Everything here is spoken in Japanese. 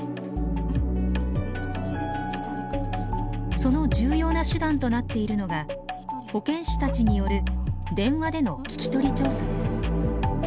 その重要な手段となっているのが保健師たちによる電話での聞き取り調査です。